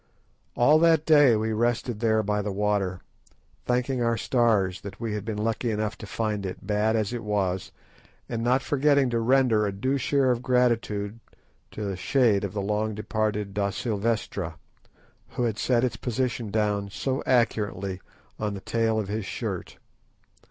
All that day we rested there by the water, thanking our stars that we had been lucky enough to find it, bad as it was, and not forgetting to render a due share of gratitude to the shade of the long departed da Silvestra, who had set its position down so accurately on the tail of his shirt.